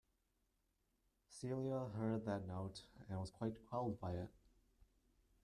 Celia heard that note and was quelled by it.